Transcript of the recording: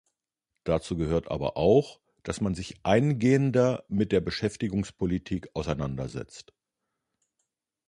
Dazu gehört aber auch, dass man sich eingehender mit der Beschäftigungspolitik auseinandersetzt.